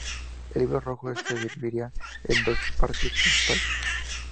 El "Libro Rojo" se dividiría en dos partes principales.